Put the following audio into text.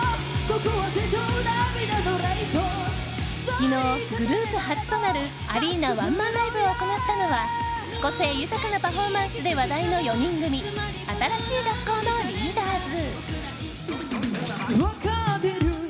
昨日、グループ初となるアリーナワンマンライブを行ったのは個性豊かなパフォーマンスで話題の４人組新しい学校のリーダーズ。